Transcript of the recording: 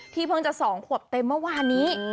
ที่เพิ่งจะส่องขวบเต็มเมื่อวานี้